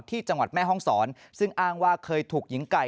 ที่จังหวัดแม่ห้องศรซึ่งอ้างว่าเคยถูกหญิงไก่